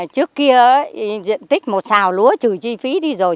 trước kia diện tích một xào lúa trừ chi phí đi rồi